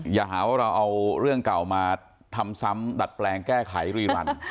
อย่าหาว่าเราเอาเรื่องเก่ามาทำซ้ำดัดแปลงแก้ไขรีมัน